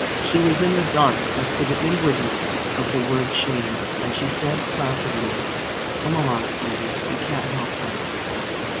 She was in the dark as to the inwardness of the word "Shame." And she said placidly: "Come along, Stevie. You can't help that."